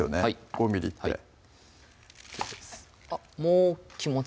５ｍｍってあっ気持ち